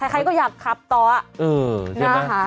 ใครก็อยากขับต่อเออใช่ไหม